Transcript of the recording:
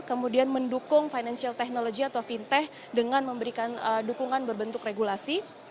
kemudian mendukung financial technology atau fintech dengan memberikan dukungan berbentuk regulasi